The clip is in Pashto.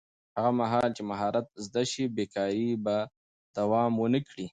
هغه مهال چې مهارت زده شي، بېکاري به دوام ونه کړي.